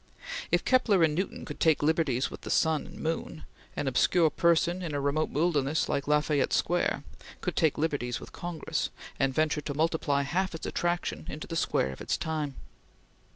If Kepler and Newton could take liberties with the sun and moon, an obscure person in a remote wilderness like La Fayette Square could take liberties with Congress, and venture to multiply half its attraction into the square of its time.